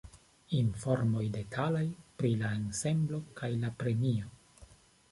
Informoj detalaj pri la ensemblo kaj la premio.